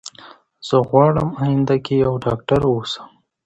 زه غواړم اينده کي يوه ډاکتره اوسم